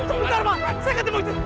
sebentar pak saya akan temui